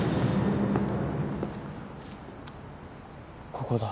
ここだ。